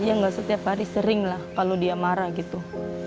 iya nggak setiap hari sering lah kalau dia marah gitu